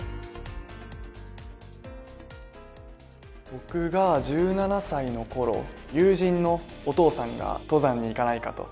僕が１７歳の頃友人のお父さんが「登山に行かないか？」と。